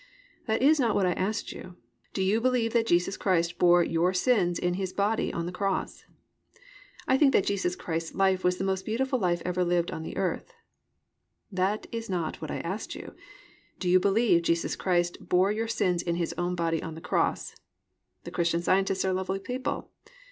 "That is not what I asked you. Do you believe that Jesus Christ bore your sins in His own body on the cross?" "I think that Jesus Christ's life was the most beautiful life ever lived here on earth." "That is not what I asked you. Do you believe Jesus Christ bore your sins in His own body on the cross?" "The Christian Scientists are lovely people."